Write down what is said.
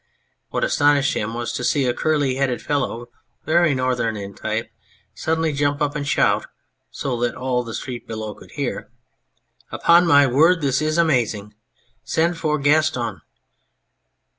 What astonished him was to see a curly headed fellow, very Northern in type, suddenly jump up and shout, so that all the street below could hear " Upon my word this is amazing ! Send for Gaston